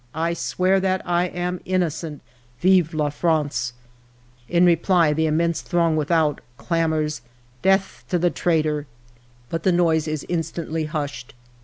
I swear that I am innocent. Vive la France !' "In reply the immense throng without clamors, ' Death to the traitor !' 68 FIVE YEARS OF MY LIFE " But the noise is instantly hushed.